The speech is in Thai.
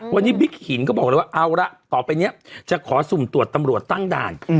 วันนี้บิ๊กหินก็บอกเลยว่าเอาละต่อไปเนี่ยจะขอสุ่มตรวจตำรวจตั้งด่าน